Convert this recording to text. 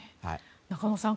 中野さん